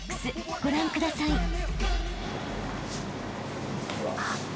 ［ご覧ください］